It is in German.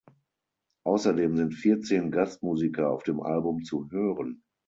Außerdem sind vierzehn Gastmusiker auf dem Album zu hören.